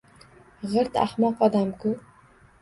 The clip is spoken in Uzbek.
G`irt ahmoq odam-ku